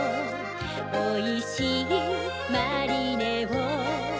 おいしいマリネを